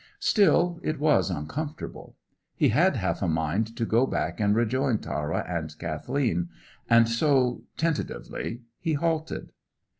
Still, it was uncomfortable. He had half a mind to go back and rejoin Tara and Kathleen, and so, tentatively, he halted.